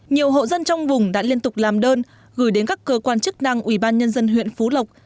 nhiều hộ dân trong vùng đã liên tục làm đơn gửi đến các cơ quan chức năng ubnd huyện phú lộc